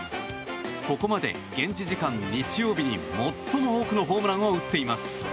ここまで現地時間日曜日に最も多くのホームランを打っています。